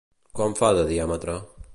Quant fa de diàmetre?